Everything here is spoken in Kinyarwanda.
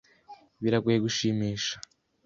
Biragoye gushimisha.